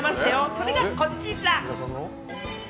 それがこちら。